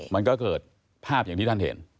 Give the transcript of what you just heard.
มันก็เกิดภาพอย่างที่ท่านเห็น